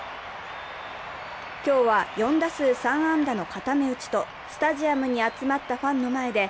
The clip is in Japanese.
今日は、４打数３安打の固め打ちとスタジアムに集まったファンの前で